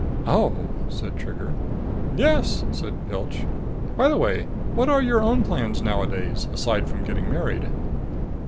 "Oh," said Trigger. "Yes," said Pilch. "By the way, what are your own plans nowadays? Aside from getting married."